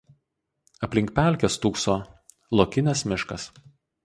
Aplink pelkę stūkso Lokinės miškas.